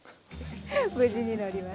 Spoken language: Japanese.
無事にのりました。